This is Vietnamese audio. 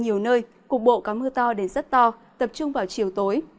nhiều nơi cục bộ có mưa to đến rất to tập trung vào chiều tối